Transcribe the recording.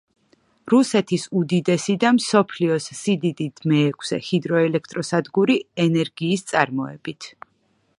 რუსეთის უდიდესი და მსოფლიოს სიდიდით მეექვსე ჰიდროელექტროსადგური ენერგიის წარმოებით.